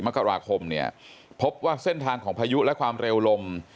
มกราคมเนี่ยพบว่าเส้นทางของพายุและความเร็วลม